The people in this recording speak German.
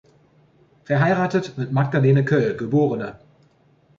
Verheiratet mit Magdalena Köll, geb.